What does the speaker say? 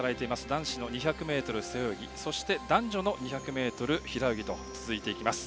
男子の２００ｍ背泳ぎそして男女の２００ｍ平泳ぎと続いていきます。